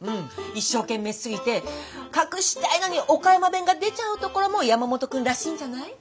一生懸命すぎて隠したいのに岡山弁が出ちゃうところも山本君らしいんじゃない？